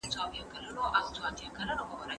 اقتصاد د ټولنې اقتصادي ودې لپاره لارښود دی.